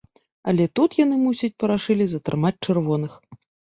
Але тут яны, мусіць, парашылі затрымаць чырвоных.